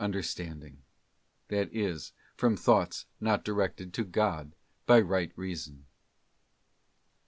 understanding,'* that is, from thoughts not directed to God by right Reason.